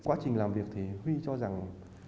quá trình làm việc thì huy cho rằng